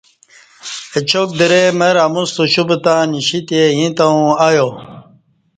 اچاک درئ مر اموستہ اُوشُپ تہ نشتی ییں تاوں ایا